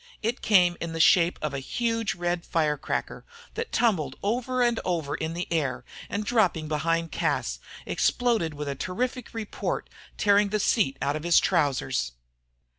It came in the shape of a huge red fire cracker, that tumbled over and over in the air, and dropping behind Cas, exploded with a terrific report, tearing the seat out of his trousers.